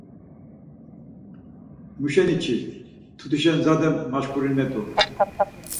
Muşeni-çi mtutişe zade maşkurinert̆u.